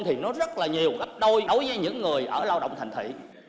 thì nó rất là nhiều gấp đôi đối với những người ở lao động thành thị